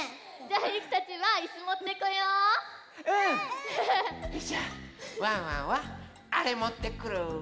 じゃあワンワンはあれもってくる。